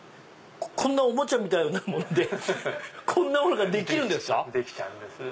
こんなおもちゃみたいなもんでこんなものができるんですか⁉できちゃうんです。